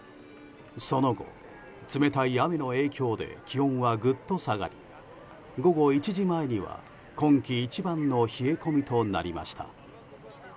その後、冷たい雨の影響で気温はグッと下がり午後１時前には今季一番の冷え込みとなりました。